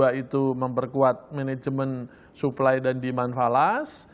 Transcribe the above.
kedua itu memperkuat manajemen suplai dan demand falas